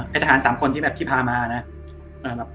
ไอ้ทหาร๓คนที่พามานะ